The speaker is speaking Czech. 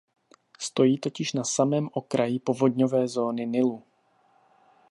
Stojí totiž na samém okraji povodňové zóny Nilu.